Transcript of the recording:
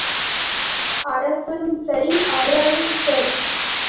அரசனும் சரி, அரவும் சரி.